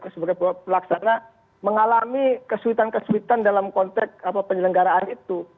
sebagai pelaksana mengalami kesulitan kesulitan dalam konteks penyelenggaraan itu